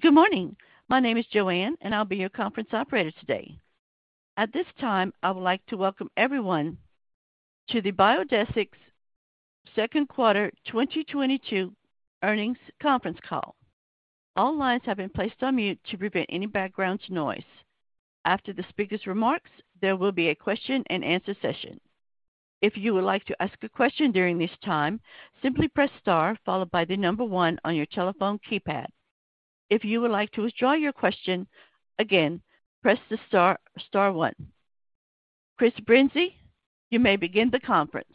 Good morning. My name is Joanne, and I'll be your conference operator today. At this time, I would like to welcome everyone to the Biodesix Second Quarter 2022 Earnings Conference Call. All lines have been placed on mute to prevent any background noise. After the speaker's remarks, there will be a question-and-answer session. If you would like to ask a question during this time, simply press star followed by the number one on your telephone keypad. If you would like to withdraw your question, again, press the star star one. Chris Brinzey, you may begin the conference.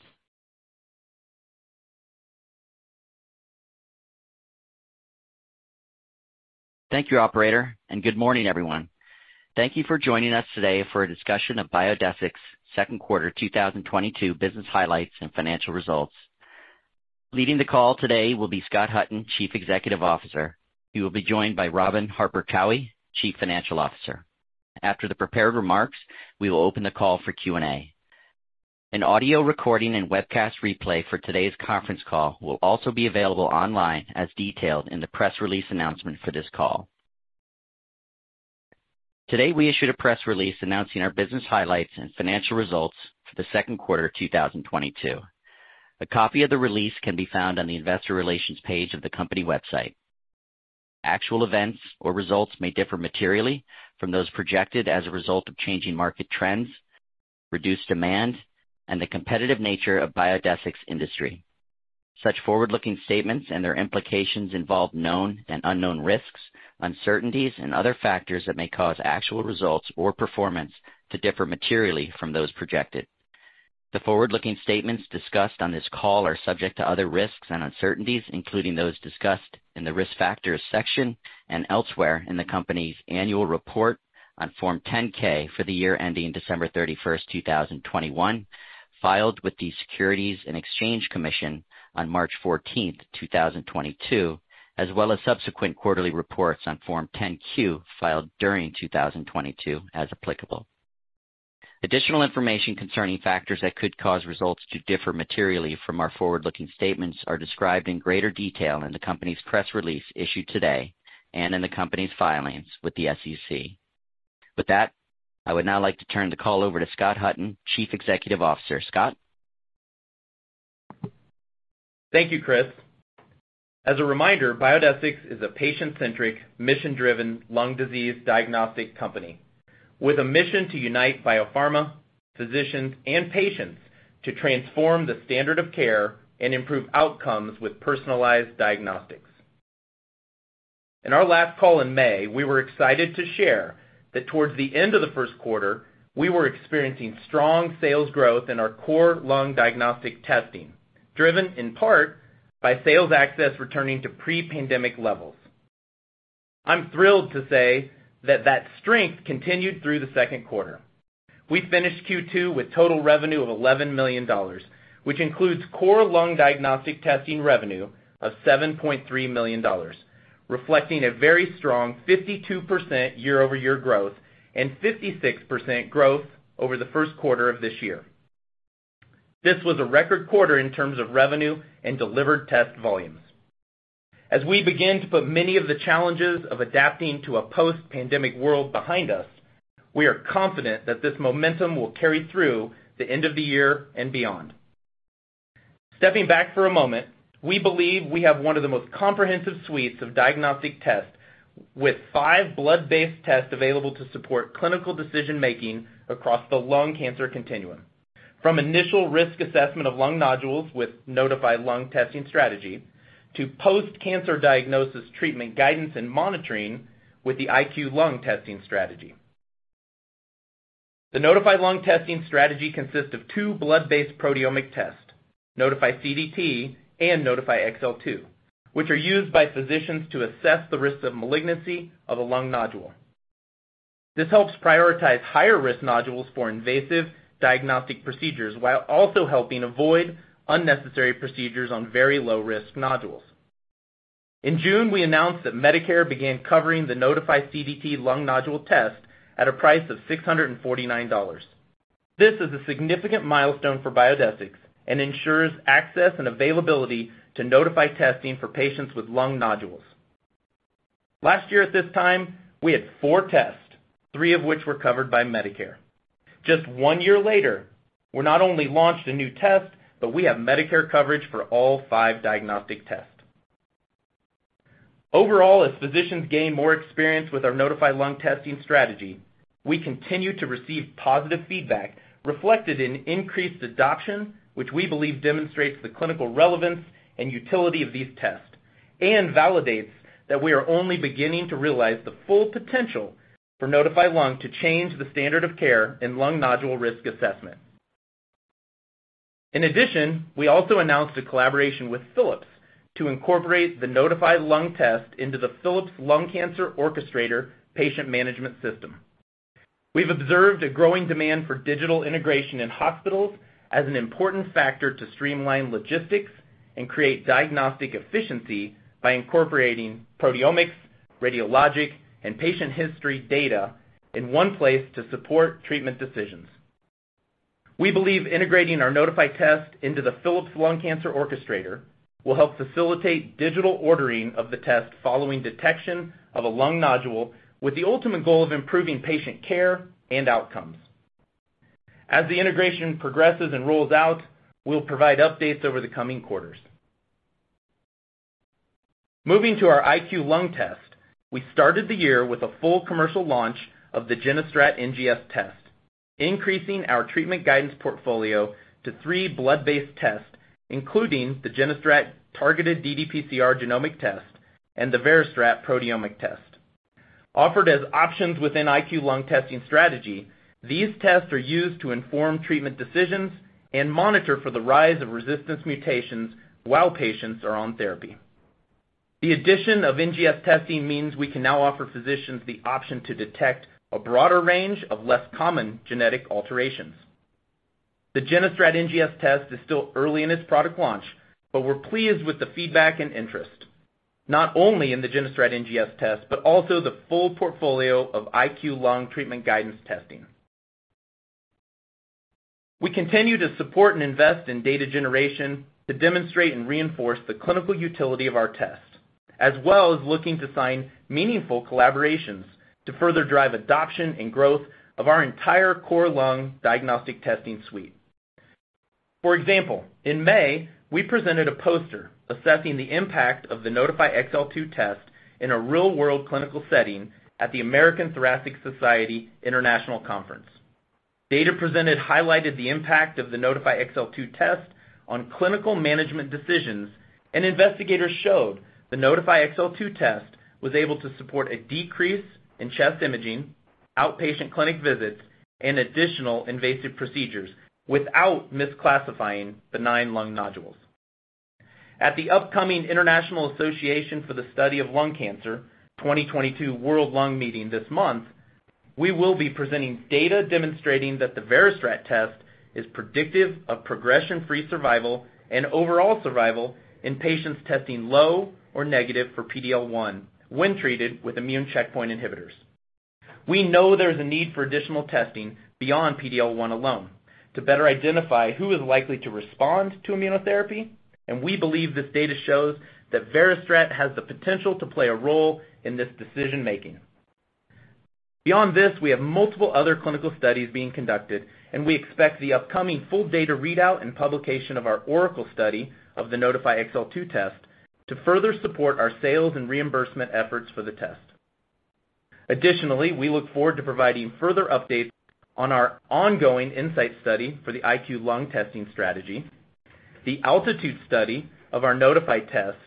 Thank you, operator, and good morning, everyone. Thank you for joining us today for a discussion of Biodesix's second quarter 2022 business highlights and financial results. Leading the call today will be Scott Hutton, Chief Executive Officer. He will be joined by Robin Harper Cowie, Chief Financial Officer. After the prepared remarks, we will open the call for Q&A. An audio recording and webcast replay for today's conference call will also be available online as detailed in the press release announcement for this call. Today, we issued a press release announcing our business highlights and financial results for the second quarter of 2022. A copy of the release can be found on the investor relations page of the company website. Actual events or results may differ materially from those projected as a result of changing market trends, reduced demand, and the competitive nature of Biodesix's industry. Such forward-looking statements and their implications involve known and unknown risks, uncertainties, and other factors that may cause actual results or performance to differ materially from those projected. The forward-looking statements discussed on this call are subject to other risks and uncertainties, including those discussed in the Risk Factors section and elsewhere in the company's annual report on Form 10-K for the year ending December 31st, 2021, filed with the Securities and Exchange Commission on March 14th, 2022, as well as subsequent quarterly reports on Form 10-Q filed during 2022 as applicable. Additional information concerning factors that could cause results to differ materially from our forward-looking statements are described in greater detail in the company's press release issued today and in the company's filings with the SEC. With that, I would now like to turn the call over to Scott Hutton, Chief Executive Officer. Scott. Thank you, Chris. As a reminder, Biodesix is a patient-centric, mission-driven lung disease diagnostic company with a mission to unite biopharma, physicians, and patients to transform the standard of care and improve outcomes with personalized diagnostics. In our last call in May, we were excited to share that towards the end of the first quarter, we were experiencing strong sales growth in our core lung diagnostic testing, driven in part by sales access returning to pre-pandemic levels. I'm thrilled to say that strength continued through the second quarter. We finished Q2 with total revenue of $11 million, which includes core lung diagnostic testing revenue of $7.3 million, reflecting a very strong 52% year-over-year growth and 56% growth over the first quarter of this year. This was a record quarter in terms of revenue and delivered test volumes. As we begin to put many of the challenges of adapting to a post-pandemic world behind us, we are confident that this momentum will carry through the end of the year and beyond. Stepping back for a moment, we believe we have one of the most comprehensive suites of diagnostic tests with five blood-based tests available to support clinical decision-making across the lung cancer continuum, from initial risk assessment of lung nodules with Nodify Lung testing strategy to post-cancer diagnosis treatment guidance and monitoring with the IQLung testing strategy. The Nodify Lung testing strategy consists of two blood-based proteomic tests, Nodify CDT and Nodify XL2, which are used by physicians to assess the risk of malignancy of a lung nodule. This helps prioritize higher risk nodules for invasive diagnostic procedures, while also helping avoid unnecessary procedures on very low risk nodules. In June, we announced that Medicare began covering the Nodify CDT lung nodule test at a price of $649. This is a significant milestone for Biodesix and ensures access and availability to Nodify testing for patients with lung nodules. Last year at this time, we had four tests, three of which were covered by Medicare. Just one year later, we not only launched a new test, but we have Medicare coverage for all five diagnostic tests. Overall, as physicians gain more experience with our Nodify Lung testing strategy, we continue to receive positive feedback reflected in increased adoption, which we believe demonstrates the clinical relevance and utility of these tests and validates that we are only beginning to realize the full potential for Nodify Lung to change the standard of care in lung nodule risk assessment. In addition, we also announced a collaboration with Philips to incorporate the Nodify Lung Test into the Philips Lung Cancer Orchestrator patient management system. We've observed a growing demand for digital integration in hospitals as an important factor to streamline logistics and create diagnostic efficiency by incorporating proteomics, radiologic, and patient history data in one place to support treatment decisions. We believe integrating our Nodify test into the Philips Lung Cancer Orchestrator will help facilitate digital ordering of the test following detection of a lung nodule with the ultimate goal of improving patient care and outcomes. As the integration progresses and rolls out, we'll provide updates over the coming quarters. Moving to our IQLung Test, we started the year with a full commercial launch of the GeneStrat NGS Test, increasing our treatment guidance portfolio to three blood-based tests, including the GeneStrat targeted ddPCR genomic test and the VeriStrat proteomic test. Offered as options within IQLung testing strategy, these tests are used to inform treatment decisions and monitor for the rise of resistance mutations while patients are on therapy. The addition of NGS testing means we can now offer physicians the option to detect a broader range of less common genetic alterations. The GeneStrat NGS Test is still early in its product launch, but we're pleased with the feedback and interest, not only in the GeneStrat NGS Test, but also the full portfolio of IQLung treatment guidance testing. We continue to support and invest in data generation to demonstrate and reinforce the clinical utility of our test, as well as looking to sign meaningful collaborations to further drive adoption and growth of our entire core lung diagnostic testing suite. For example, in May, we presented a poster assessing the impact of the Nodify XL2 Test in a real-world clinical setting at the American Thoracic Society International Conference. Data presented highlighted the impact of the Nodify XL2 Test on clinical management decisions, and investigators showed the Nodify XL2 Test was able to support a decrease in chest imaging, outpatient clinic visits, and additional invasive procedures without misclassifying benign lung nodules. At the upcoming International Association for the Study of Lung Cancer 2022 World Conference on Lung Cancer this month, we will be presenting data demonstrating that the VeriStrat Test is predictive of progression-free survival and overall survival in patients testing low or negative for PD-L1 when treated with immune checkpoint inhibitors. We know there's a need for additional testing beyond PD-L1 alone to better identify who is likely to respond to immunotherapy, and we believe this data shows that VeriStrat has the potential to play a role in this decision-making. Beyond this, we have multiple other clinical studies being conducted, and we expect the upcoming full data readout and publication of our ORACLE study of the Nodify XL2 Test to further support our sales and reimbursement efforts for the test. Additionally, we look forward to providing further updates on our ongoing INSIGHT study for the IQLung testing strategy, the ALTITUDE study of our Nodify test,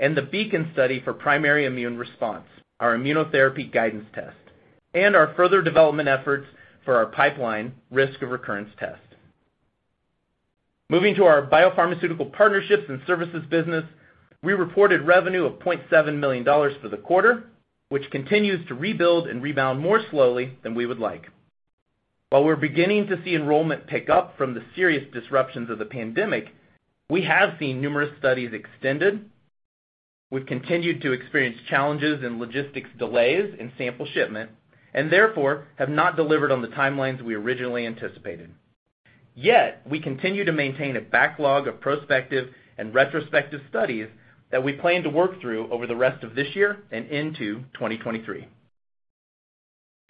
and the BEACON study for Primary Immune Response, our immunotherapy guidance test, and our further development efforts for our pipeline risk of recurrence test. Moving to our biopharmaceutical partnerships and services business, we reported revenue of $0.7 million for the quarter, which continues to rebuild and rebound more slowly than we would like. While we're beginning to see enrollment pick up from the serious disruptions of the pandemic, we have seen numerous studies extended. We've continued to experience challenges in logistics delays in sample shipment, and therefore have not delivered on the timelines we originally anticipated. Yet, we continue to maintain a backlog of prospective and retrospective studies that we plan to work through over the rest of this year and into 2023.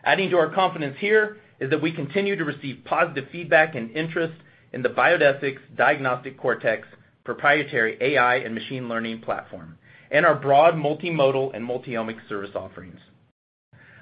Adding to our confidence here is that we continue to receive positive feedback and interest in the Biodesix Diagnostic Cortex proprietary AI and machine learning platform and our broad multimodal and multiomic service offerings.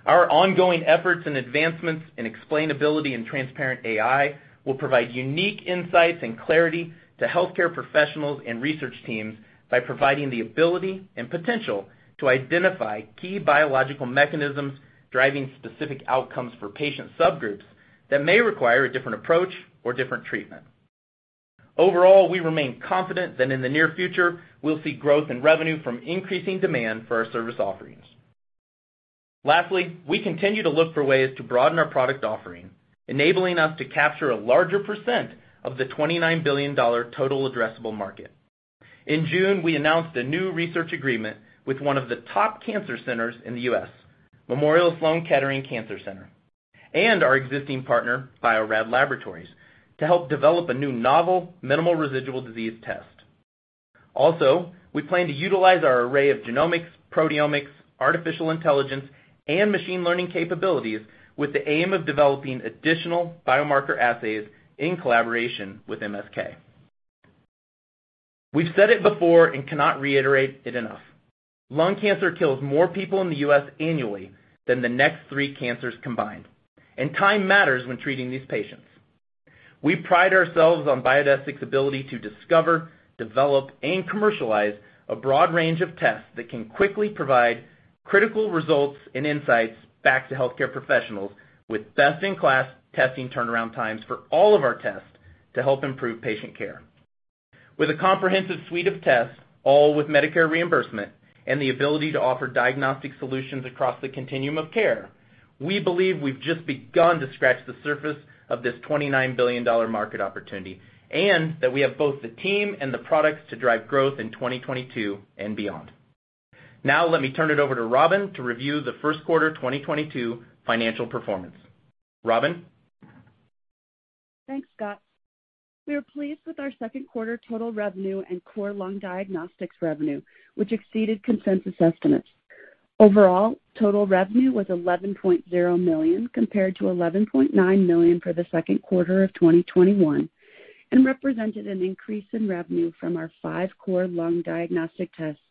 Our ongoing efforts and advancements in explainability and transparent AI will provide unique insights and clarity to healthcare professionals and research teams by providing the ability and potential to identify key biological mechanisms driving specific outcomes for patient subgroups that may require a different approach or different treatment. Overall, we remain confident that in the near future, we'll see growth in revenue from increasing demand for our service offerings. Lastly, we continue to look for ways to broaden our product offering, enabling us to capture a larger percent of the $29 billion total addressable market. In June, we announced a new research agreement with one of the top cancer centers in the U.S., Memorial Sloan Kettering Cancer Center, and our existing partner, Bio-Rad Laboratories, to help develop a new novel minimal residual disease test. Also, we plan to utilize our array of genomics, proteomics, artificial intelligence, and machine learning capabilities with the aim of developing additional biomarker assays in collaboration with MSK. We've said it before and cannot reiterate it enough. Lung cancer kills more people in the U.S. annually than the next three cancers combined, and time matters when treating these patients. We pride ourselves on Biodesix's ability to discover, develop, and commercialize a broad range of tests that can quickly provide critical results and insights back to healthcare professionals with best-in-class testing turnaround times for all of our tests to help improve patient care. With a comprehensive suite of tests, all with Medicare reimbursement and the ability to offer diagnostic solutions across the continuum of care, we believe we've just begun to scratch the surface of this $29 billion market opportunity and that we have both the team and the products to drive growth in 2022 and beyond. Now let me turn it over to Robin to review the first quarter 2022 financial performance. Robin? Thanks, Scott. We are pleased with our second quarter total revenue and core lung diagnostics revenue, which exceeded consensus estimates. Overall, total revenue was $11.0 million compared to $11.9 million for the second quarter of 2021, and represented an increase in revenue from our five core lung diagnostic tests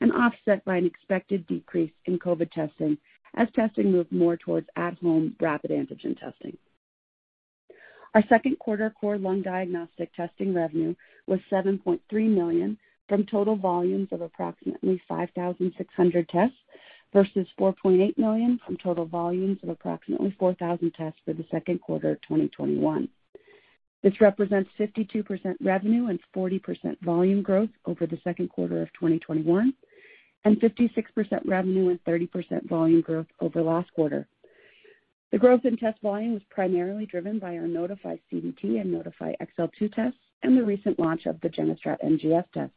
and offset by an expected decrease in COVID testing as testing moved more towards at-home rapid antigen testing. Our second quarter core lung diagnostic testing revenue was $7.3 million from total volumes of approximately 5,600 tests versus $4.8 million from total volumes of approximately 4,000 tests for the second quarter of 2021. This represents 52% revenue and 40% volume growth over the second quarter of 2021, and 56% revenue and 30% volume growth over last quarter. The growth in test volume was primarily driven by our Nodify CDT and Nodify XL2 Tests and the recent launch of the GeneStrat NGS Test.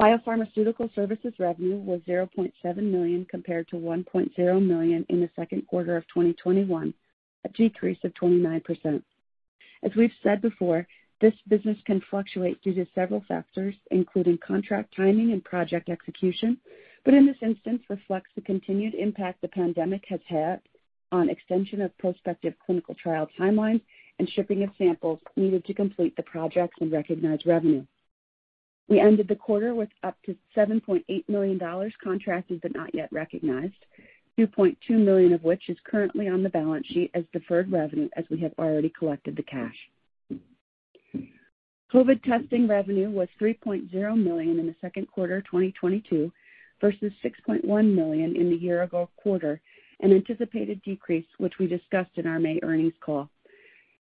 Biopharmaceutical services revenue was $0.7 million compared to $1.0 million in the second quarter of 2021, a decrease of 29%. As we've said before, this business can fluctuate due to several factors, including contract timing and project execution, but in this instance reflects the continued impact the pandemic has had on extension of prospective clinical trial timelines and shipping of samples needed to complete the projects and recognize revenue. We ended the quarter with up to $7.8 million contracted but not yet recognized, $2.2 million of which is currently on the balance sheet as deferred revenue, as we have already collected the cash. COVID testing revenue was $3.0 million in the second quarter of 2022 versus $6.1 million in the year-ago quarter, an anticipated decrease which we discussed in our May earnings call.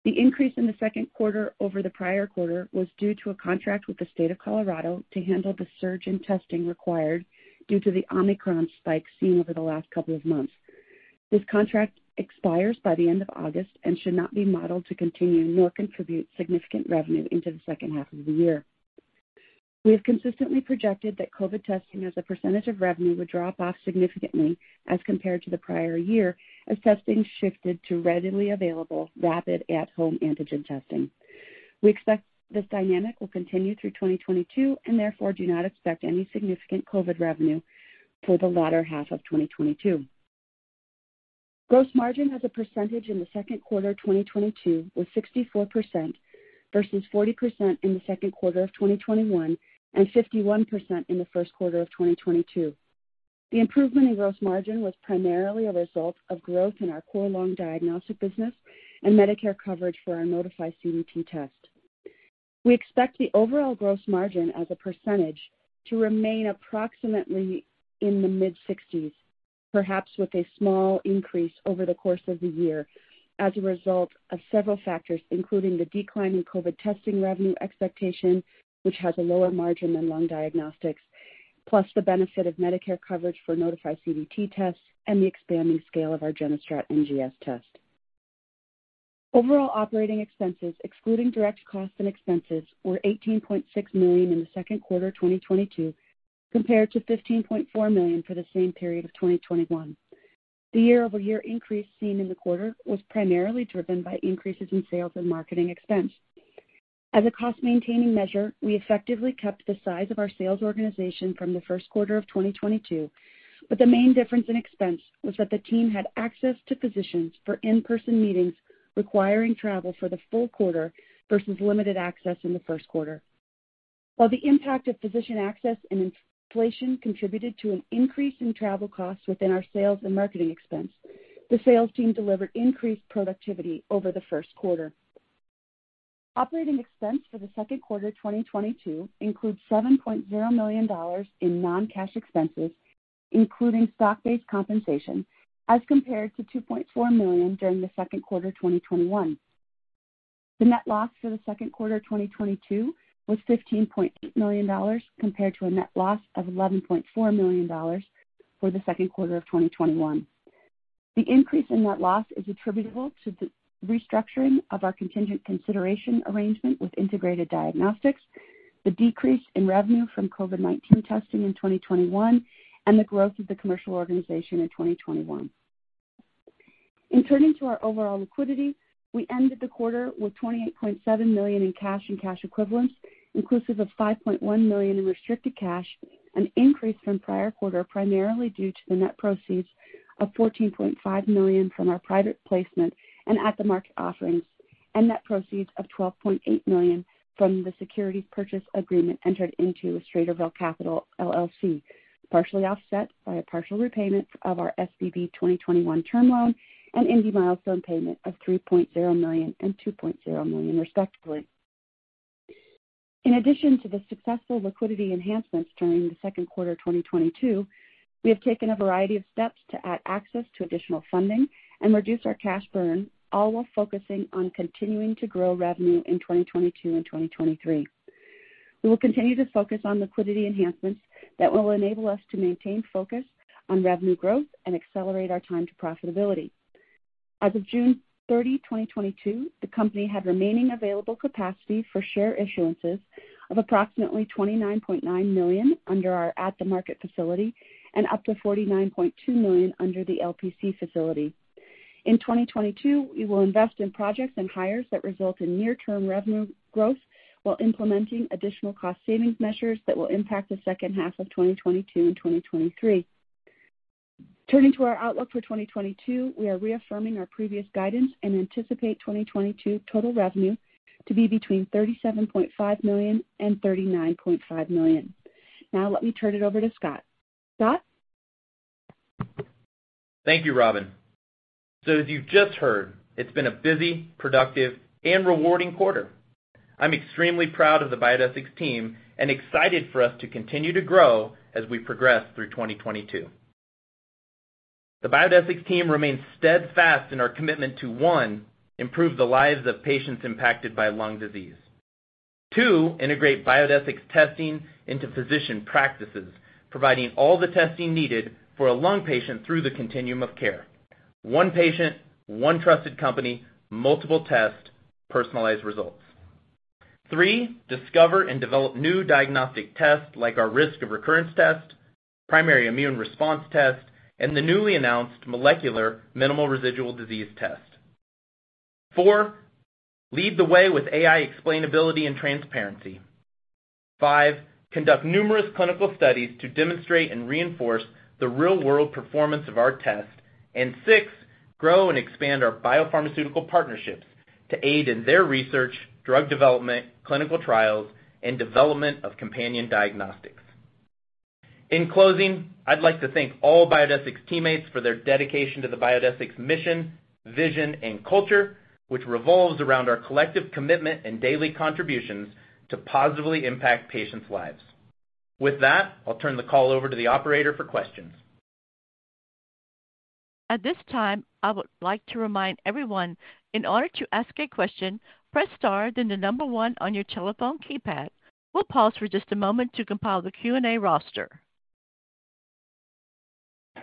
The increase in the second quarter over the prior quarter was due to a contract with the state of Colorado to handle the surge in testing required due to the Omicron spike seen over the last couple of months. This contract expires by the end of August and should not be modeled to continue nor contribute significant revenue into the second half of the year. We have consistently projected that COVID testing as a percentage of revenue would drop off significantly as compared to the prior year as testing shifted to readily available rapid at-home antigen testing. We expect this dynamic will continue through 2022, and therefore do not expect any significant COVID revenue for the latter half of 2022. Gross margin as a percentage in the second quarter of 2022 was 64% versus 40% in the second quarter of 2021 and 51% in the first quarter of 2022. The improvement in gross margin was primarily a result of growth in our core lung diagnostic business and Medicare coverage for our Nodify CDT Test. We expect the overall gross margin as a percentage to remain approximately in the mid-60s%, perhaps with a small increase over the course of the year as a result of several factors, including the decline in COVID testing revenue expectation, which has a lower margin than lung diagnostics, plus the benefit of Medicare coverage for Nodify CDT tests and the expanding scale of our GeneStrat NGS Test. Overall operating expenses excluding direct costs and expenses were $18.6 million in the second quarter of 2022 compared to $15.4 million for the same period of 2021. The year-over-year increase seen in the quarter was primarily driven by increases in sales and marketing expense. As a cost-maintaining measure, we effectively kept the size of our sales organization from the first quarter of 2022, but the main difference in expense was that the team had access to physicians for in-person meetings requiring travel for the full quarter versus limited access in the first quarter. While the impact of physician access and inflation contributed to an increase in travel costs within our sales and marketing expense, the sales team delivered increased productivity over the first quarter. Operating expense for the second quarter of 2022 includes $7.0 million in non-cash expenses, including stock-based compensation, as compared to $2.4 million during the second quarter of 2021. The net loss for the second quarter of 2022 was $15.8 million compared to a net loss of $11.4 million for the second quarter of 2021. The increase in net loss is attributable to the restructuring of our contingent consideration arrangement with Integrated Diagnostics, the decrease in revenue from COVID-19 testing in 2021, and the growth of the commercial organization in 2021. In turning to our overall liquidity, we ended the quarter with $28.7 million in cash and cash equivalents, inclusive of $5.1 million in restricted cash, an increase from prior quarter primarily due to the net proceeds of $14.5 million from our private placement and at-the-market offerings, and net proceeds of $12.8 million from the securities purchase agreement entered into with Strada Capital LLC, partially offset by a partial repayment of our SPV 2021 term loan and a milestone payment of $3.0 million and $2.0 million, respectively. In addition to the successful liquidity enhancements during the second quarter of 2022, we have taken a variety of steps to add access to additional funding and reduce our cash burn, all while focusing on continuing to grow revenue in 2022 and 2023. We will continue to focus on liquidity enhancements that will enable us to maintain focus on revenue growth and accelerate our time to profitability. As of June 30, 2022, the company had remaining available capacity for share issuances of approximately 29.9 million under our at-the-market facility and up to 49.2 million under the LPC facility. In 2022, we will invest in projects and hires that result in near-term revenue growth while implementing additional cost savings measures that will impact the second half of 2022 and 2023. Turning to our outlook for 2022, we are reaffirming our previous guidance and anticipate 2022 total revenue to be between $37.5 million and $39.5 million. Now let me turn it over to Scott. Scott? Thank you, Robin. As you've just heard, it's been a busy, productive, and rewarding quarter. I'm extremely proud of the Biodesix team and excited for us to continue to grow as we progress through 2022. The Biodesix team remains steadfast in our commitment to, one, improve the lives of patients impacted by lung disease. Two, integrate Biodesix testing into physician practices, providing all the testing needed for a lung patient through the continuum of care. One patient, one trusted company, multiple tests, personalized results. Three, discover and develop new diagnostic tests like our risk of recurrence test, primary immune response test, and the newly announced molecular minimal residual disease test. Four, lead the way with AI explainability and transparency. Five, conduct numerous clinical studies to demonstrate and reinforce the real-world performance of our test. Six, grow and expand our biopharmaceutical partnerships to aid in their research, drug development, clinical trials, and development of companion diagnostics. In closing, I'd like to thank all Biodesix teammates for their dedication to the Biodesix mission, vision, and culture, which revolves around our collective commitment and daily contributions to positively impact patients' lives. With that, I'll turn the call over to the operator for questions. At this time, I would like to remind everyone, in order to ask a question, press star, then the number one on your telephone keypad. We'll pause for just a moment to compile the Q&A roster.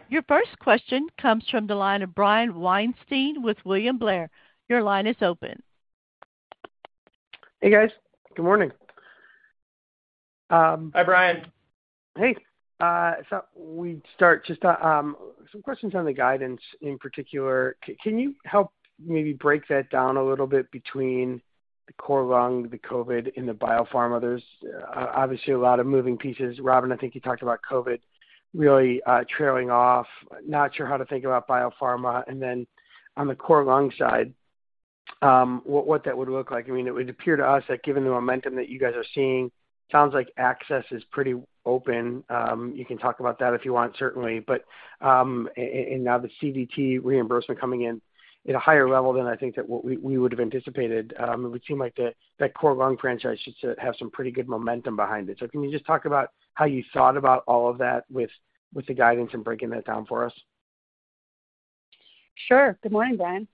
Your first question comes from the line of Brian Weinstein with William Blair. Your line is open. Hey, guys. Good morning. Hi, Brian. Hey. We start just some questions on the guidance in particular. Can you help maybe break that down a little bit between the core lung, the COVID, and the biopharma? There's obviously a lot of moving pieces. Robin, I think you talked about COVID really trailing off, not sure how to think about biopharma. On the core lung side, what that would look like. I mean, it would appear to us that given the momentum that you guys are seeing, sounds like access is pretty open. You can talk about that if you want, certainly. Now the CDT reimbursement coming in at a higher level than I think that what we would have anticipated, it would seem like that core lung franchise should have some pretty good momentum behind it. Can you just talk about how you thought about all of that with the guidance and breaking that down for us? Sure. Good morning, Brian.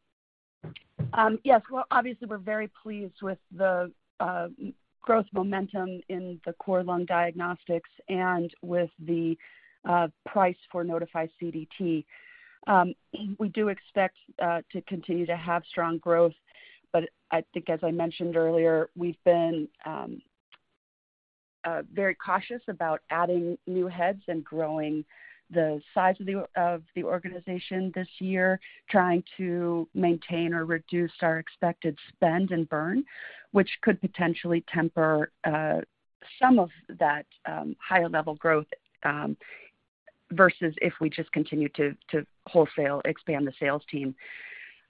Yes, well, obviously, we're very pleased with the growth momentum in the core lung diagnostics and with the price for Nodify CDT. We do expect to continue to have strong growth, but I think as I mentioned earlier, we've been very cautious about adding new heads and growing the size of the organization this year, trying to maintain or reduce our expected spend and burn, which could potentially temper some of that higher level growth versus if we just continue to wholesale expand the sales team.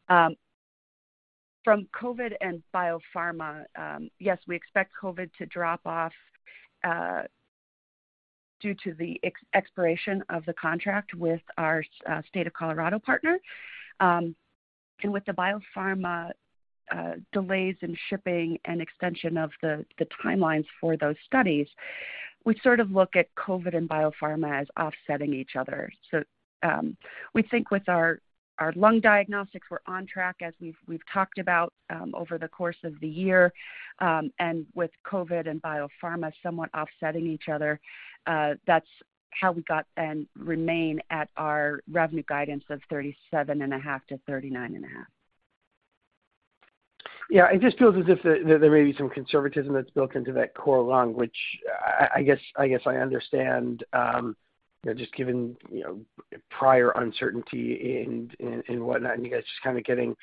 From COVID and biopharma, yes, we expect COVID to drop off due to the expiration of the contract with our state of Colorado partner. With the biopharma delays in shipping and extension of the timelines for those studies, we sort of look at COVID and biopharma as offsetting each other. We think with our lung diagnostics, we're on track as we've talked about over the course of the year. With COVID and biopharma somewhat offsetting each other, that's how we got and remain at our revenue guidance of $37.5 million-$39.5 million. Yeah. It just feels as if there may be some conservatism that's built into that core lung, which I guess I understand, you know, just given, you know, prior uncertainty and whatnot, and you guys just kind of getting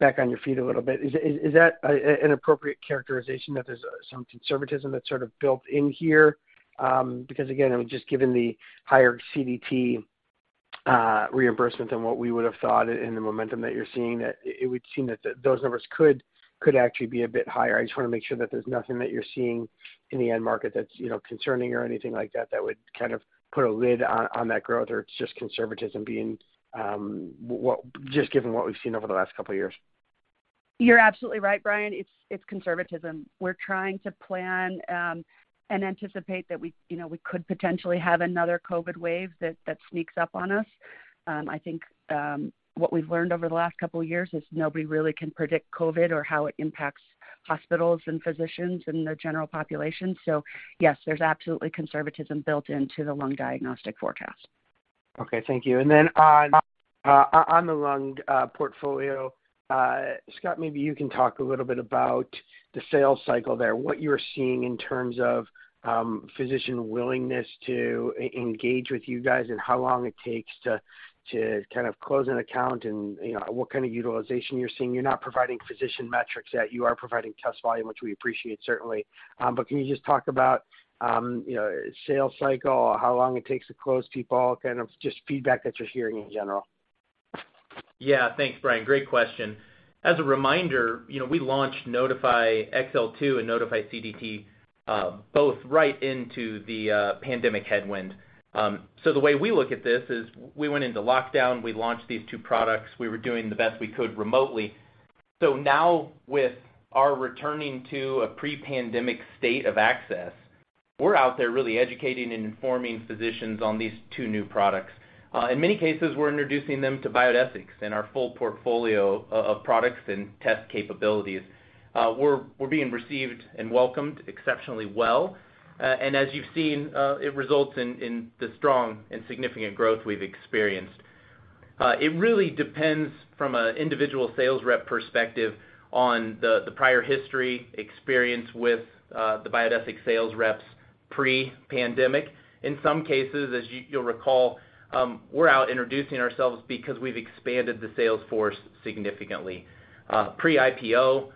back on your feet a little bit. Is that an appropriate characterization that there's some conservatism that's sort of built in here? Because again, I mean, just given the higher CDT reimbursement than what we would have thought and the momentum that you're seeing, that it would seem that those numbers could actually be a bit higher. I just want to make sure that there's nothing that you're seeing in the end market that's, you know, concerning or anything like that would kind of put a lid on that growth or it's just conservatism being just given what we've seen over the last couple of years. You're absolutely right, Brian. It's conservatism. We're trying to plan and anticipate that we, you know, we could potentially have another COVID wave that sneaks up on us. I think what we've learned over the last couple of years is nobody really can predict COVID or how it impacts hospitals and physicians and the general population. Yes, there's absolutely conservatism built into the lung diagnostic forecast. Okay. Thank you. On the lung portfolio, Scott, maybe you can talk a little bit about the sales cycle there, what you're seeing in terms of physician willingness to engage with you guys, and how long it takes to kind of close an account and, you know, what kind of utilization you're seeing. You're not providing physician metrics yet. You are providing test volume, which we appreciate certainly. Can you just talk about, you know, sales cycle, how long it takes to close people? Kind of just feedback that you're hearing in general. Yeah. Thanks, Brian. Great question. As a reminder, you know, we launched Nodify XL2 and Nodify CDT, both right into the pandemic headwind. The way we look at this is we went into lockdown, we launched these two products. We were doing the best we could remotely. Now with our returning to a pre-pandemic state of access, we're out there really educating and informing physicians on these two new products. In many cases, we're introducing them to Biodesix and our full portfolio of products and test capabilities. We're being received and welcomed exceptionally well. As you've seen, it results in the strong and significant growth we've experienced. It really depends from an individual sales rep perspective on the prior history experience with the Biodesix sales reps pre-pandemic. In some cases, as you'll recall, we're out introducing ourselves because we've expanded the sales force significantly. Pre-IPO,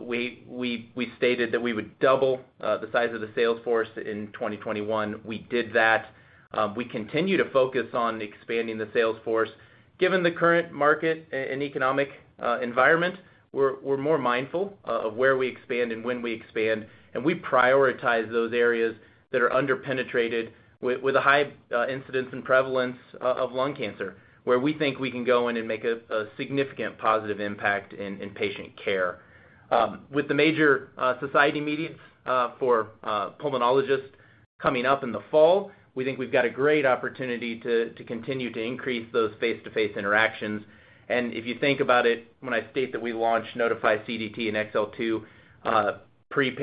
we stated that we would double the size of the sales force in 2021. We did that. We continue to focus on expanding the sales force. Given the current market and economic environment, we're more mindful of where we expand and when we expand, and we prioritize those areas that are under-penetrated with a high incidence and prevalence of lung cancer, where we think we can go in and make a significant positive impact in patient care. With the major society meetings for pulmonologists coming up in the fall, we think we've got a great opportunity to continue to increase those face-to-face interactions. If you think about it, when I state that we launched Nodify CDT and XL2,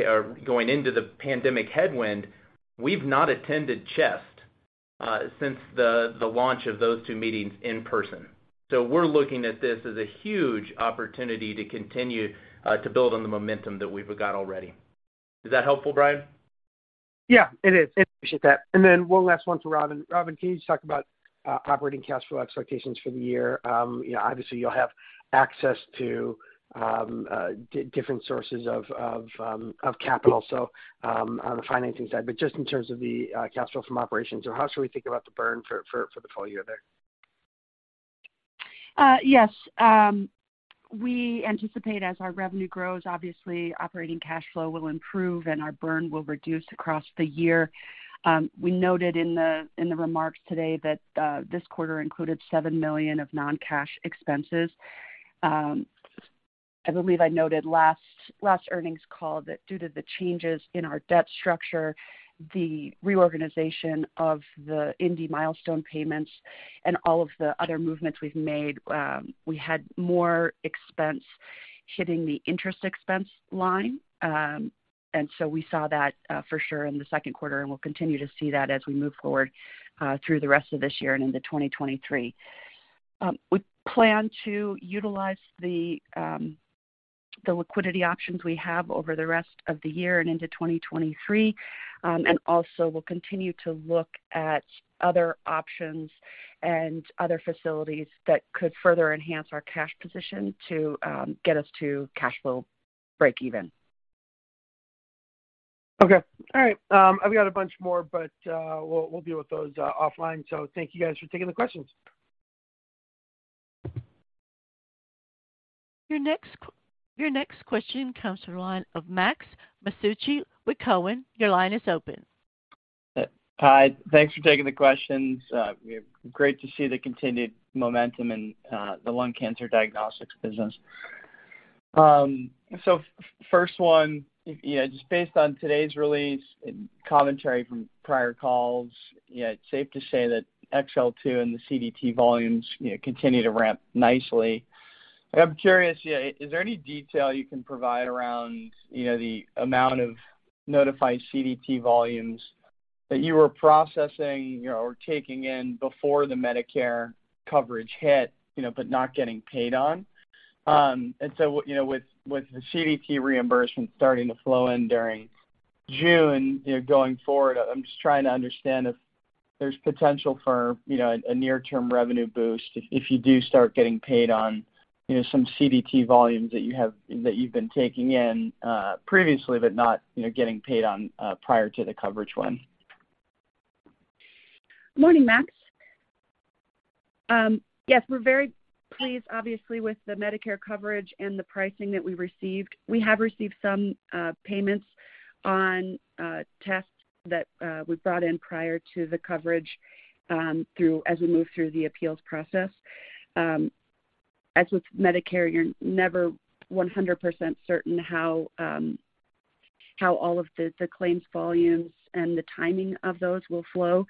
or going into the pandemic headwind, we've not attended CHEST since the launch of those two meetings in person. We're looking at this as a huge opportunity to continue to build on the momentum that we've got already. Is that helpful, Brian? Yeah, it is. I appreciate that. One last one to Robin. Robin, can you just talk about operating cash flow expectations for the year? You know, obviously you'll have access to different sources of capital, so on the financing side. Just in terms of the cash flow from operations, so how should we think about the burn for the full year there? Yes. We anticipate as our revenue grows, obviously operating cash flow will improve and our burn will reduce across the year. We noted in the remarks today that this quarter included $7 million of non-cash expenses. I believe I noted last earnings call that due to the changes in our debt structure, the reorganization of the NDI milestone payments and all of the other movements we've made, we had more expense hitting the interest expense line. We saw that for sure in the second quarter, and we'll continue to see that as we move forward through the rest of this year and into 2023. We plan to utilize the liquidity options we have over the rest of the year and into 2023. We'll continue to look at other options and other facilities that could further enhance our cash position to get us to cash flow break even. Okay. All right. I've got a bunch more, but we'll deal with those offline. Thank you guys for taking the questions. Your next question comes from the line of Max Masucci with Cowen. Your line is open. Hi. Thanks for taking the questions. It's great to see the continued momentum in the lung cancer diagnostics business. First one, you know, just based on today's release and commentary from prior calls, you know, it's safe to say that XL2 and the CDT volumes, you know, continue to ramp nicely. I'm curious, you know, is there any detail you can provide around, you know, the amount of Nodify CDT volumes that you were processing or taking in before the Medicare coverage hit, you know, but not getting paid on? You know, with the CDT reimbursement starting to flow in during June, you know, going forward, I'm just trying to understand if there's potential for, you know, a near-term revenue boost if you do start getting paid on, you know, some CDT volumes that you've been taking in previously but not, you know, getting paid on prior to the coverage won? Morning, Max. Yes, we're very pleased, obviously, with the Medicare coverage and the pricing that we received. We have received some payments on tests that we brought in prior to the coverage through as we move through the appeals process. As with Medicare, you're never 100% certain how all of the claims volumes and the timing of those will flow.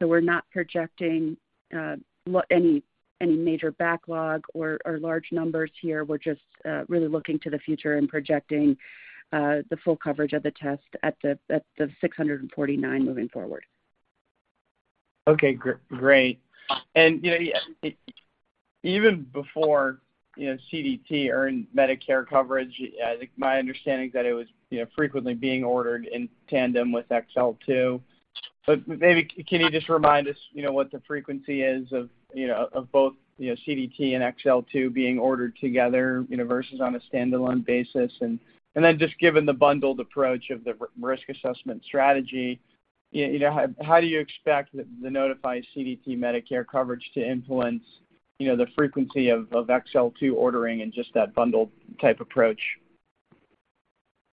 We're not projecting any major backlog or large numbers here, we're just really looking to the future and projecting the full coverage of the test at the $649 moving forward. Okay, great. You know, even before, you know, CDT earned Medicare coverage, my understanding is that it was, you know, frequently being ordered in tandem with XL2. But maybe can you just remind us, you know, what the frequency is of, you know, of both, you know, CDT and XL2 being ordered together, you know, versus on a standalone basis? Then just given the bundled approach of the risk assessment strategy, you know, how do you expect the Nodify CDT Medicare coverage to influence, you know, the frequency of XL2 ordering and just that bundled type approach?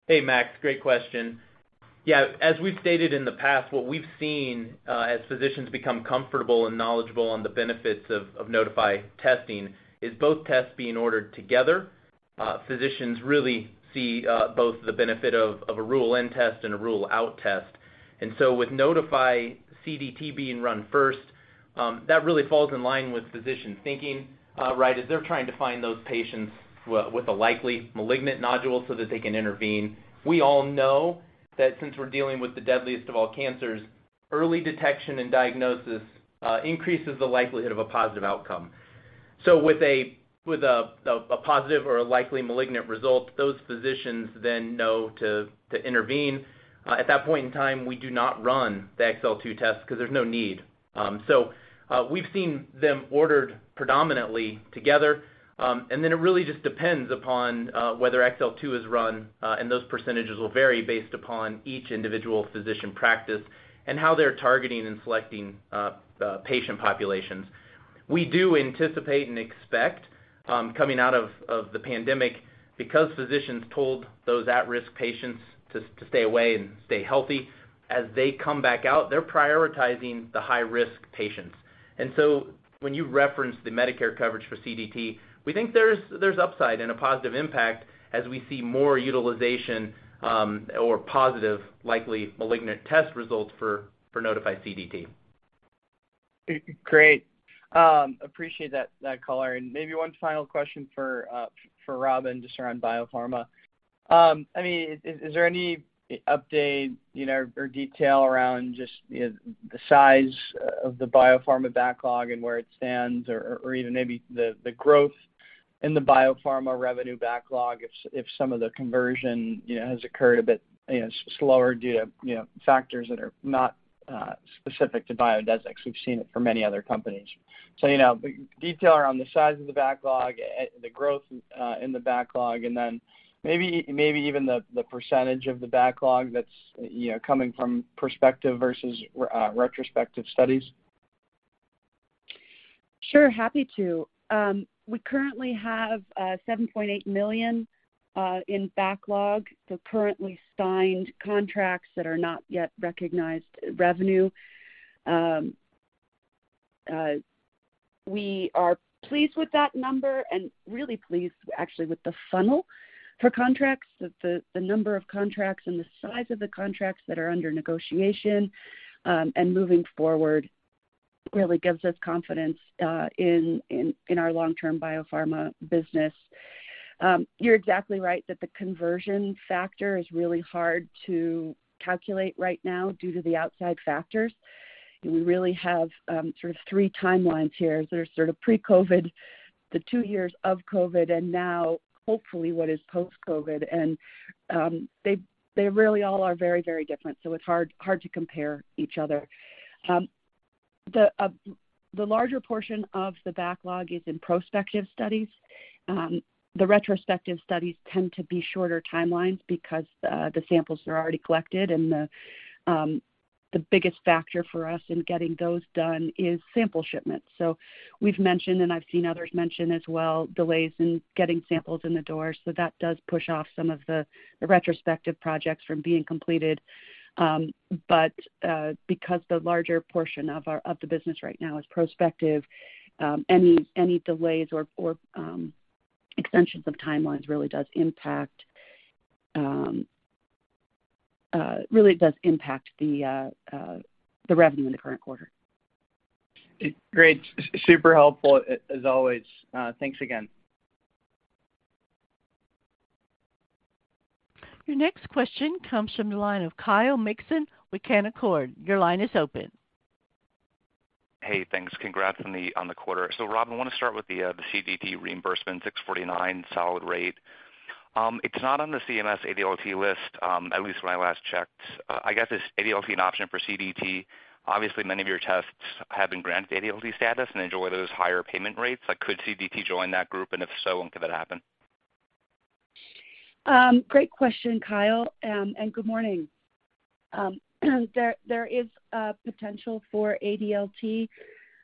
Hey, Max, great question. Yeah, as we've stated in the past, what we've seen as physicians become comfortable and knowledgeable on the benefits of Nodify testing is both tests being ordered together. Physicians really see both the benefit of a rule-in test and a rule-out test. With Nodify CDT being run first, that really falls in line with physician thinking right as they're trying to find those patients with a likely malignant nodule so that they can intervene. We all know that since we're dealing with the deadliest of all cancers, early detection and diagnosis increases the likelihood of a positive outcome. With a positive or a likely malignant result, those physicians then know to intervene. At that point in time, we do not run the XL2 test 'cause there's no need. We've seen them ordered predominantly together. It really just depends upon whether XL2 is run, and those percentages will vary based upon each individual physician practice and how they're targeting and selecting patient populations. We do anticipate and expect coming out of the pandemic, because physicians told those at-risk patients to stay away and stay healthy, as they come back out, they're prioritizing the high-risk patients. When you reference the Medicare coverage for CDT, we think there's upside and a positive impact as we see more utilization or positive likely malignant test results for Nodify CDT. Great. Appreciate that color. Maybe one final question for Robin just around biopharma. I mean, is there any update, you know, or detail around just, you know, the size of the biopharma backlog and where it stands or even maybe the growth in the biopharma revenue backlog if some of the conversion, you know, has occurred a bit, you know, slower due to factors that are not specific to Biodesix. We've seen it for many other companies. Detail around the size of the backlog, the growth in the backlog, and then maybe even the percentage of the backlog that's, you know, coming from prospective versus retrospective studies. Sure, happy to. We currently have $7.8 million in backlog for currently signed contracts that are not yet recognized revenue. We are pleased with that number and really pleased actually with the funnel for contracts. The number of contracts and the size of the contracts that are under negotiation and moving forward really gives us confidence in our long-term biopharma business. You're exactly right that the conversion factor is really hard to calculate right now due to the outside factors. We really have sort of three timelines here. There's sort of pre-COVID, the two years of COVID, and now hopefully what is post-COVID. They really all are very, very different, so it's hard to compare each other. The larger portion of the backlog is in prospective studies. The retrospective studies tend to be shorter timelines because the samples are already collected and the biggest factor for us in getting those done is sample shipments. We've mentioned, and I've seen others mention as well, delays in getting samples in the door, so that does push off some of the retrospective projects from being completed. Because the larger portion of our business right now is prospective, any delays or extensions of timelines really does impact the revenue in the current quarter. Great. Super helpful as always. Thanks again. Your next question comes from the line of Kyle Mikson with Canaccord. Your line is open. Hey, thanks. Congrats on the quarter. Robin, I wanna start with the CDT reimbursement, $649 solid rate. It's not on the CMS ADLT list, at least when I last checked. I guess, is ADLT an option for CDT? Obviously, many of your tests have been granted ADLT status and enjoy those higher payment rates. Like, could CDT join that group? If so, when could that happen? Great question, Kyle, and good morning. There is a potential for ADLT,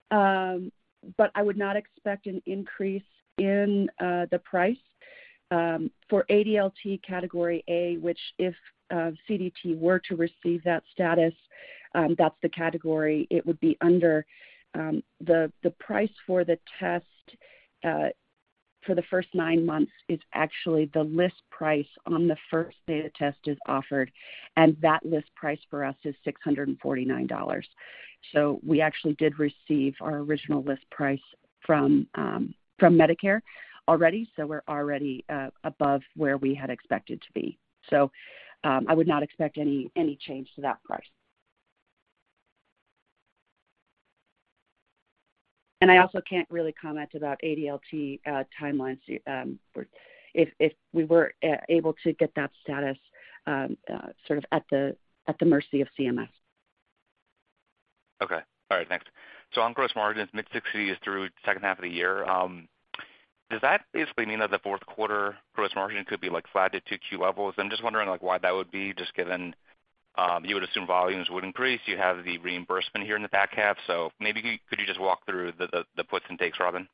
but I would not expect an increase in the price. For ADLT category A, which if CDT were to receive that status, that's the category it would be under. The price for the test for the first nine months is actually the list price on the first day the test is offered, and that list price for us is $649. We actually did receive our original list price from Medicare already, so we're already above where we had expected to be. I would not expect any change to that price. I also can't really comment about ADLT timelines. If we were able to get that status, sort of at the mercy of CMS. Okay. All right. Thanks. On gross margins, mid-60s% through second half of the year. Does that basically mean that the fourth quarter gross margin could be like flat to Q2 levels? I'm just wondering like why that would be just given you would assume volumes would increase, you have the reimbursement here in the back half. Maybe could you just walk through the puts and takes, Robin,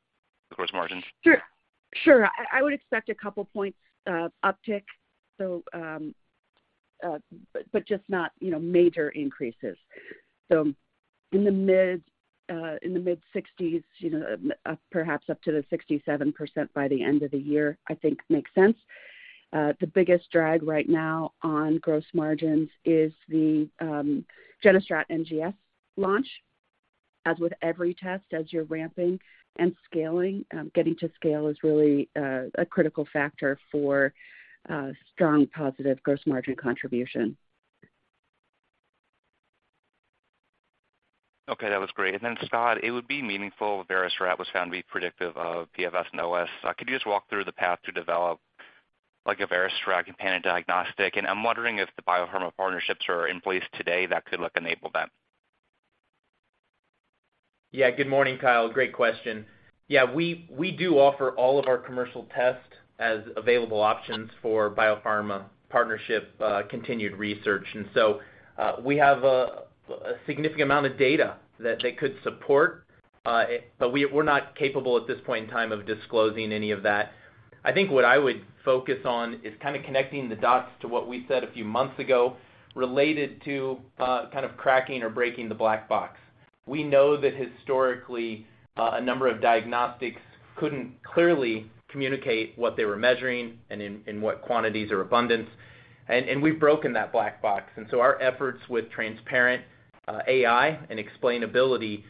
the gross margins? I would expect a couple points of uptick, so, but just not, you know, major increases. In the mid-60s, perhaps up to 67% by the end of the year, I think makes sense. The biggest drag right now on gross margins is the GeneStrat NGS launch. As with every test, as you're ramping and scaling, getting to scale is really a critical factor for strong positive gross margin contribution. Okay. That was great. Scott, it would be meaningful if VeriStrat was found to be predictive of PFS and OS. Could you just walk through the path to develop like a VeriStrat companion diagnostic? I'm wondering if the biopharma partnerships are in place today that could, like, enable that. Good morning, Kyle. Great question. We do offer all of our commercial tests as available options for biopharma partnership, continued research. We have a significant amount of data that they could support, but we're not capable at this point in time of disclosing any of that. I think what I would focus on is kind of connecting the dots to what we said a few months ago related to kind of cracking or breaking the black box. We know that historically, a number of diagnostics couldn't clearly communicate what they were measuring and what quantities or abundance. We've broken that black box. Our efforts with transparent AI and explainability,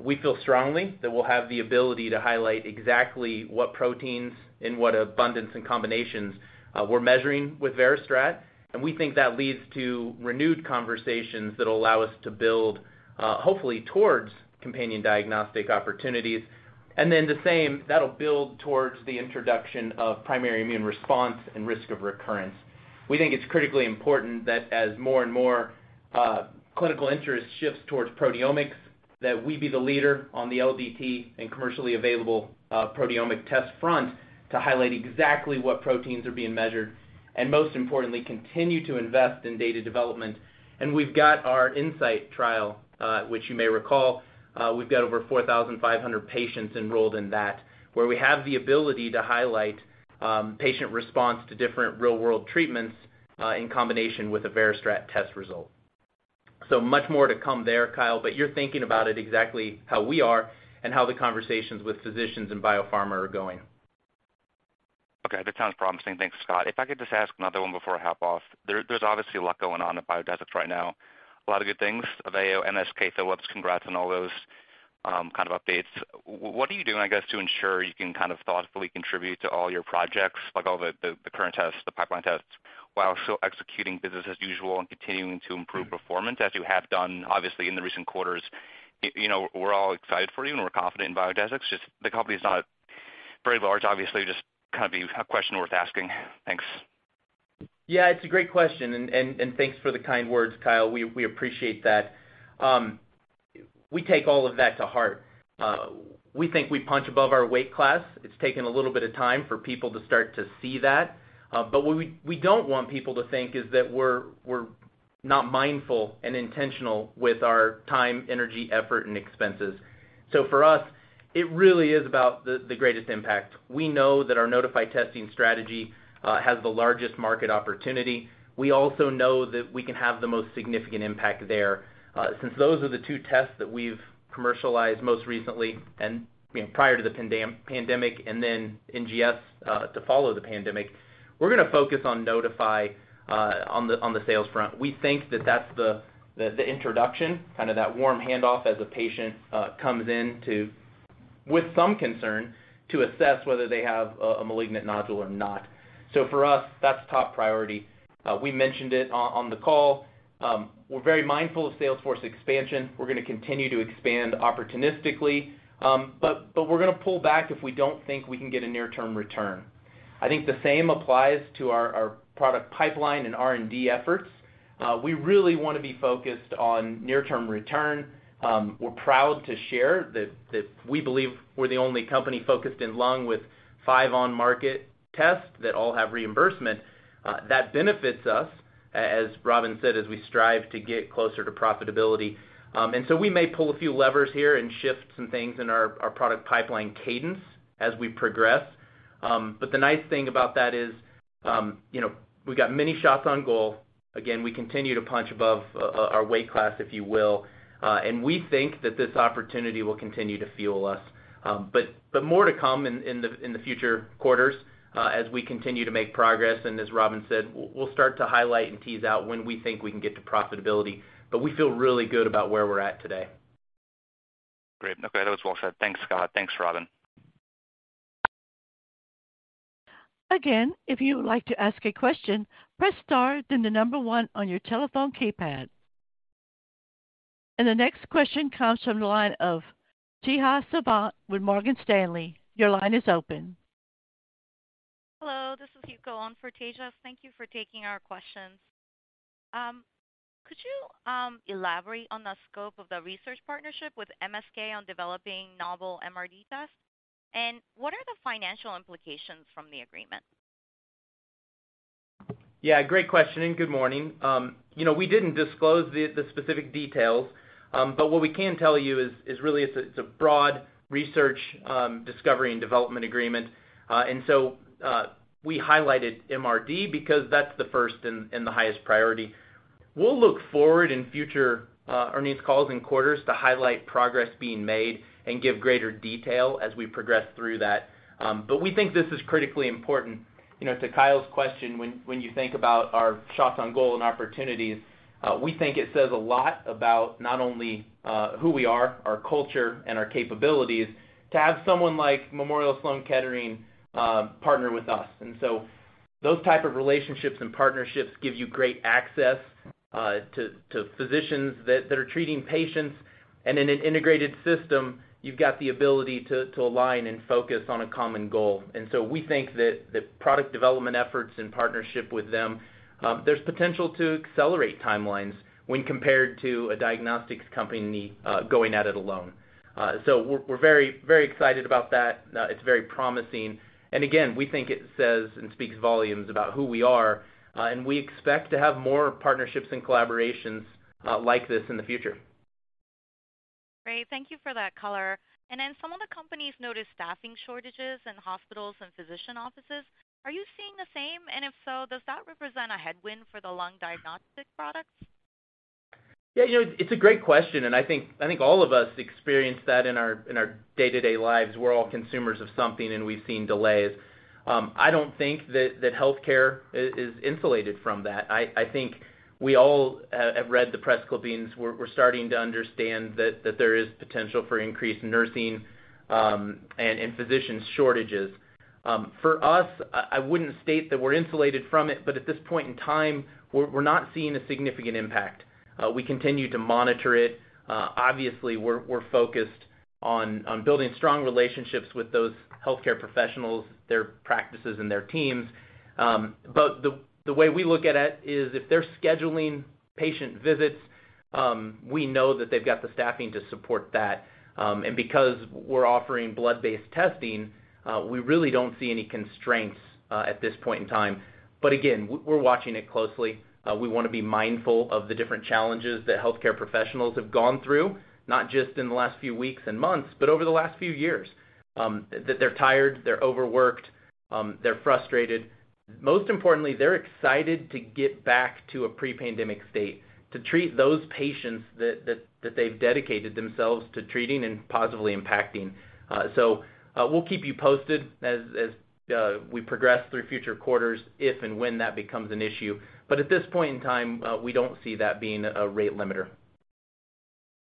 we feel strongly that we'll have the ability to highlight exactly what proteins and what abundance and combinations we're measuring with VeriStrat, and we think that leads to renewed conversations that'll allow us to build hopefully towards companion diagnostic opportunities. The same, that'll build towards the introduction of primary immune response and risk of recurrence. We think it's critically important that as more and more clinical interest shifts towards proteomics, that we be the leader on the LDT and commercially available proteomic test front to highlight exactly what proteins are being measured, and most importantly, continue to invest in data development. We've got our INSIGHT trial, which you may recall. We've got over 4,500 patients enrolled in that, where we have the ability to highlight patient response to different real-world treatments in combination with a VeriStrat Test result. Much more to come there, Kyle, but you're thinking about it exactly how we are and how the conversations with physicians and biopharma are going. Okay. That sounds promising. Thanks, Scott. If I could just ask another one before I hop off. There's obviously a lot going on at Biodesix right now. A lot of good things. AVEO, MSK, Philips, congrats on all those kind of updates. What are you doing, I guess, to ensure you can kind of thoughtfully contribute to all your projects, like all the current tests, the pipeline tests, while still executing business as usual and continuing to improve performance as you have done, obviously, in the recent quarters? You know, we're all excited for you and we're confident in Biodesix. Just the company is not very large, obviously, just kind of a question worth asking. Thanks. Yeah, it's a great question, and thanks for the kind words, Kyle. We appreciate that. We take all of that to heart. We think we punch above our weight class. It's taken a little bit of time for people to start to see that. But what we don't want people to think is that we're not mindful and intentional with our time, energy, effort and expenses. For us, it really is about the greatest impact. We know that our Nodify testing strategy has the largest market opportunity. We also know that we can have the most significant impact there. Since those are the two tests that we've commercialized most recently and, you know, prior to the pandemic and then NGS to follow the pandemic, we're gonna focus on Nodify on the sales front. We think that that's the introduction, kind of that warm handoff as a patient comes in with some concern to assess whether they have a malignant nodule or not. For us, that's top priority. We mentioned it on the call. We're very mindful of sales force expansion. We're gonna continue to expand opportunistically, but we're gonna pull back if we don't think we can get a near-term return. I think the same applies to our product pipeline and R&D efforts. We really wanna be focused on near-term return. We're proud to share that we believe we're the only company focused in lung with five on market tests that all have reimbursement. That benefits us, as Robin said, as we strive to get closer to profitability. We may pull a few levers here and shift some things in our product pipeline cadence as we progress. The nice thing about that is, you know, we got many shots on goal. Again, we continue to punch above our weight class, if you will. We think that this opportunity will continue to fuel us. More to come in the future quarters as we continue to make progress. As Robyn said, we'll start to highlight and tease out when we think we can get to profitability. We feel really good about where we're at today. Great. Okay, that was well said. Thanks, Scott. Thanks, Robin. Again, if you would like to ask a question, press star then the number one on your telephone keypad. The next question comes from the line of Tejas Savant with Morgan Stanley. Your line is open. Hello, this is Yuko on for Tejas. Thank you for taking our questions. Could you elaborate on the scope of the research partnership with MSK on developing novel MRD tests? What are the financial implications from the agreement? Yeah, great question, and good morning. You know, we didn't disclose the specific details, but what we can tell you is really it's a broad research discovery and development agreement. We highlighted MRD because that's the first and the highest priority. We'll look forward in future earnings calls and quarters to highlight progress being made and give greater detail as we progress through that. But we think this is critically important. You know, to Kyle's question, when you think about our shots on goal and opportunities, we think it says a lot about not only who we are, our culture, and our capabilities to have someone like Memorial Sloan Kettering partner with us. Those type of relationships and partnerships give you great access to physicians that are treating patients. In an integrated system, you've got the ability to align and focus on a common goal. We think that the product development efforts and partnership with them, there's potential to accelerate timelines when compared to a diagnostics company going at it alone. We're very excited about that. It's very promising. Again, we think it says and speaks volumes about who we are. We expect to have more partnerships and collaborations like this in the future. Great. Thank you for that color. Some of the companies noticed staffing shortages in hospitals and physician offices. Are you seeing the same? If so, does that represent a headwind for the lung diagnostic products? Yeah, you know, it's a great question, and I think all of us experience that in our day-to-day lives. We're all consumers of something, and we've seen delays. I don't think that healthcare is insulated from that. I think we all have read the press clippings. We're starting to understand that there is potential for increased nursing and physician shortages. For us, I wouldn't state that we're insulated from it, but at this point in time, we're not seeing a significant impact. We continue to monitor it. Obviously we're focused on building strong relationships with those healthcare professionals, their practices and their teams. The way we look at it is if they're scheduling patient visits, we know that they've got the staffing to support that. Because we're offering blood-based testing, we really don't see any constraints at this point in time. Again, we're watching it closely. We wanna be mindful of the different challenges that healthcare professionals have gone through, not just in the last few weeks and months, but over the last few years. That they're tired, they're overworked, they're frustrated. Most importantly, they're excited to get back to a pre-pandemic state to treat those patients that they've dedicated themselves to treating and positively impacting. We'll keep you posted as we progress through future quarters if and when that becomes an issue. At this point in time, we don't see that being a rate limiter.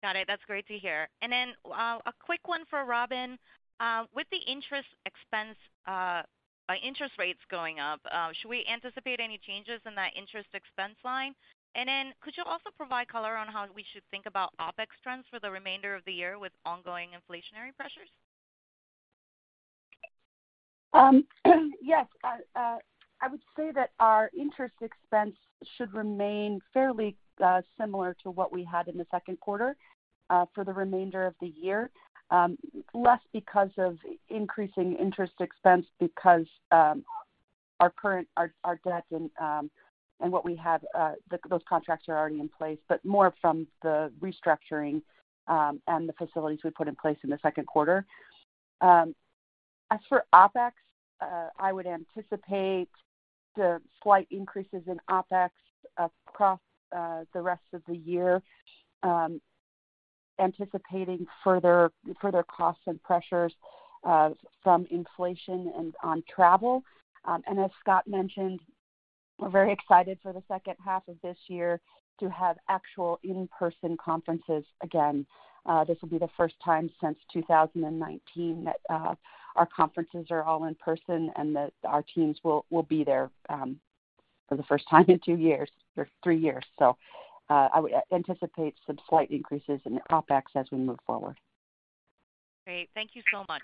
Got it. That's great to hear. A quick one for Robyn. With the interest expense, with interest rates going up, should we anticipate any changes in that interest expense line? Could you also provide color on how we should think about OpEx trends for the remainder of the year with ongoing inflationary pressures? Yes. I would say that our interest expense should remain fairly similar to what we had in the second quarter for the remainder of the year. Less because of increasing interest expense, our debt and what we have, those contracts are already in place, but more from the restructuring and the facilities we put in place in the second quarter. As for OpEx, I would anticipate the slight increases in OpEx across the rest of the year, anticipating further costs and pressures from inflation and on travel. As Scott mentioned, we're very excited for the second half of this year to have actual in-person conferences again. This will be the first time since 2019 that our conferences are all in person and that our teams will be there for the first time in two years or three years. I would anticipate some slight increases in the OpEx as we move forward. Great. Thank you so much.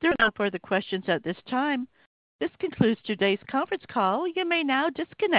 There are no further questions at this time. This concludes today's conference call. You may now disconnect.